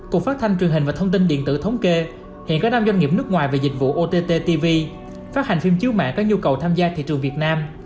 cục phát thanh truyền hình và thông tin điện tử thống kê hiện có năm doanh nghiệp nước ngoài về dịch vụ ott tv phát hành phim chiếu mạng có nhu cầu tham gia thị trường việt nam